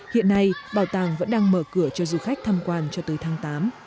hiện nay bảo tàng vẫn đang mở cửa cho du khách tham quan cho tới tháng tám